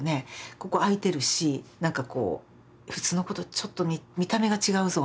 ここあいてるしなんかこう普通の子とちょっと見た目が違うぞみたいな。